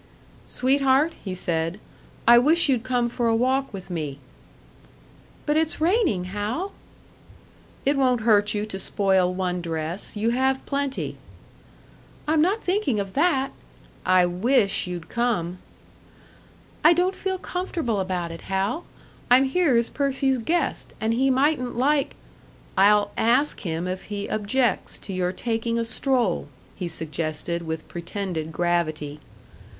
"Sweetheart," he said, "I wish you'd come for a walk with me." "But it's raining, Hal!" "It won't hurt you to spoil one dress; you have plenty." "I'm not thinking of that " "I wish you'd come." "I don't feel comfortable about it, Hal. I'm here as Percy's guest, and he mightn't like " "I'll ask him if he objects to your taking a stroll," he suggested, with pretended gravity.